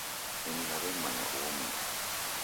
Ini naw'emmanya uho mundu.